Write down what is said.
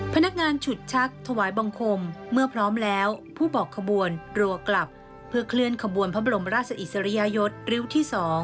พนักงานฉุดชักถวายบังคมเมื่อพร้อมแล้วผู้บอกขบวนรัวกลับเพื่อเคลื่อนขบวนพระบรมราชอิสริยยศริ้วที่๒